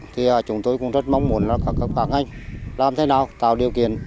thì chúng tôi cũng rất mong muốn các ngành làm thế nào tạo điều kiện